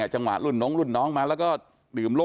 จังหวะรุ่นน้องรุ่นน้องมาแล้วก็ดื่มร่ม